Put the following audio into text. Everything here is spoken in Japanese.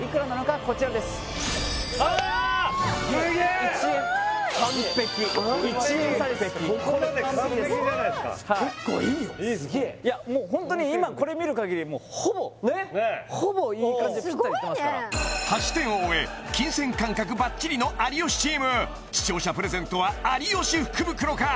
ここまで完璧じゃないすかすげえホントに今これ見るかぎりもうほぼほぼいい感じでぴったりすごいね８点を終え金銭感覚バッチリの有吉チーム視聴者プレゼントは有吉福袋か？